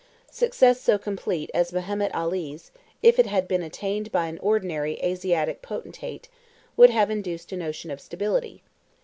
Success so complete as Mehemet Ali's, if it had been attained by an ordinary Asiatic potentate, would have induced a notion of stability.